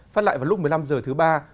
phát lại vào lúc một mươi năm h thứ ba